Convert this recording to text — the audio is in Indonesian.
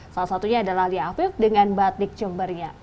salah satunya adalah lia afif dengan batik jembernya